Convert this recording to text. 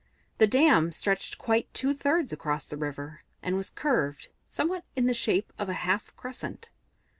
The dam stretched quite two thirds across the river, and was curved, somewhat in the shape of a half crescent.